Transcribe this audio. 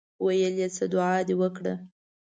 ویل یې څه دعا دې وکړه.